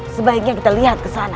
sebaiknya kita lihat kesana